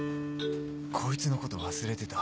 こいつのこと忘れてた